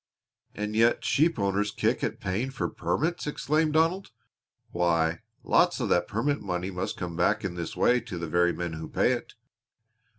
"And yet sheep owners kick at paying for permits," exclaimed Donald. "Why, lots of that permit money must come back in this way to the very men who pay it."